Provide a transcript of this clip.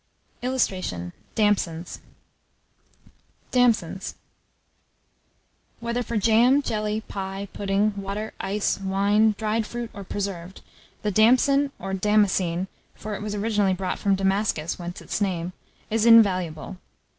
[Illustration: DAMSONS.] DAMSONS. Whether for jam, jelly, pie, pudding, water, ice, wine, dried fruit or preserved, the damson, or damascene (for it was originally brought from Damascus, whence its name), is invaluable.